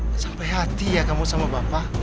gak sampai hati ya kamu sama bapak